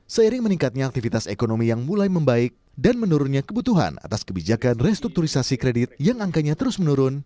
seiring meningkatnya aktivitas ekonomi yang mulai membaik dan menurunnya kebutuhan atas kebijakan restrukturisasi kredit yang angkanya terus menurun